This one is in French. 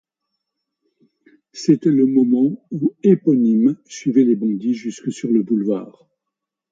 C'était le moment où Éponine suivait les bandits jusque sur le boulevard.